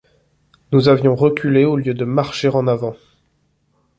Nous avions reculé au lieu de marcher en avant !